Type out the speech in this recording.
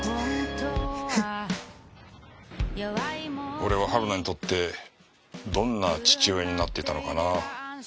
俺は春菜にとってどんな父親になってたのかな？